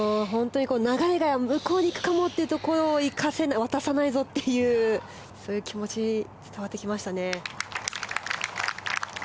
流れが向こうに行くかもというところを渡さないぞというそういう気持ちが伝わってきましたね。